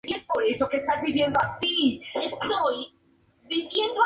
Actualmente es el estadio más grande en la región Guaymas-Empalme.